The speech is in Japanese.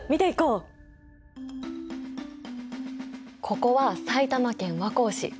ここは埼玉県和光市。